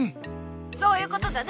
そういうことだね！